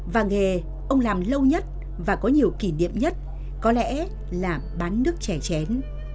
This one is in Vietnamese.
và nghề ông làm lâu nhất và có nhiều kỷ niệm nhất có lẽ là bán nước trẻ chén